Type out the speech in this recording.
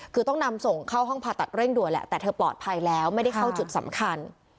คือต้องนำส่งเข้าห้องผ่าตัดเร่งด่วนแหละแต่เธอปลอดภัยแล้วไม่ได้เข้าจุดสำคัญ